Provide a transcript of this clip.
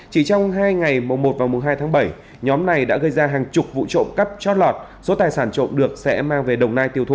chỉ trong hai ngày mùng một và mùng hai tháng bảy nhóm này đã gây ra hàng chục vụ trộm cắp chót lọt số tài sản trộm được sẽ mang về đồng nai tiêu thụ